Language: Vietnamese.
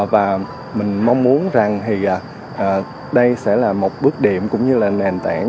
và mình mong muốn rằng thì đây sẽ là một bước điểm cũng như là nền tảng